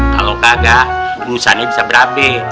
kalau kagak busannya bisa berabe